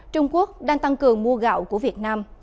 trung quốc đang tăng cường mua gạo của việt nam